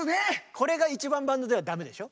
これが一番バンドではダメでしょ？